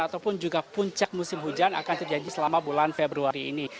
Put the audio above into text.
ataupun juga puncak musim hujan akan terjadi selama bulan februari ini